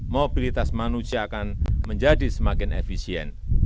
mobilitas manusia akan menjadi semakin efisien